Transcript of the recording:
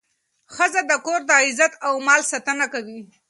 ښځه د کور د عزت او مال ساتنه کوي.